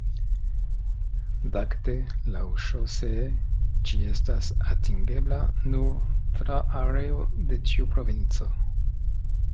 Dakte laŭŝosee ĝi estas atingebla nur tra areo de tiu provinco.